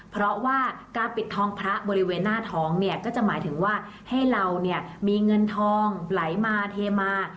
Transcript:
เพราะว่าการปิดทองพระบริเวณหน้าท้องเนี่ยก็จะหมายถึงว่าให้เราเนี่ยมีเงินทองไหลมาเทมา